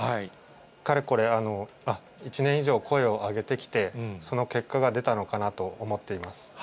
かれこれ１年以上、声を上げてきて、その結果が出たのかなと思っています。